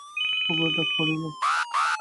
উপরে ডাক পড়িল।